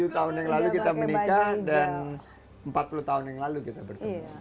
tujuh tahun yang lalu kita menikah dan empat puluh tahun yang lalu kita bertemu